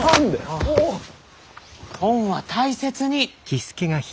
本は大切に！